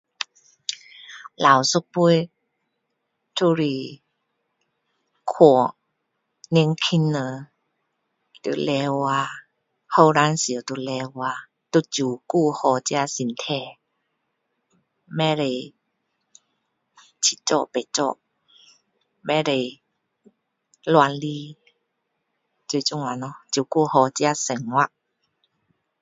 老一辈就是劝年轻人要努力做要照顾好自己身体不可以七做八做不可以乱来就是这样咯照顾好自己生活